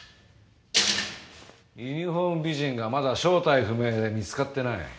ユニホーム美人がまだ正体不明で見つかってない。